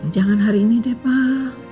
jangan hari ini deh pak